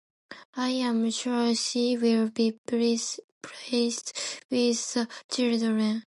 I am sure she will be pleased with the children.